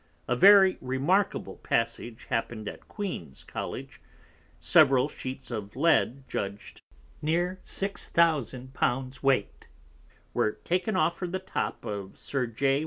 A very remarkable passage happened at Queen's College, several Sheets of Lead judged near 6000 l. weight, were taken off from the Top of Sir _J.